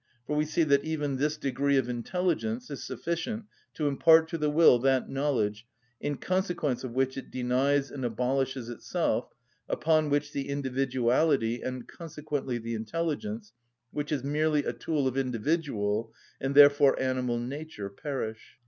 For we see that even this degree of intelligence is sufficient to impart to the will that knowledge in consequence of which it denies and abolishes itself, upon which the individuality, and consequently the intelligence, which is merely a tool of individual, and therefore animal nature, perish.